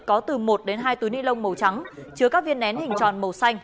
có từ một đến hai túi nilon màu trắng chứa các viên nén hình tròn màu xanh